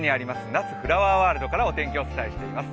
那須フラワーワールドからお天気をお伝えしています。